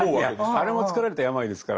あれもつくられた病ですから。